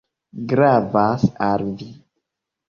Gravas al vi.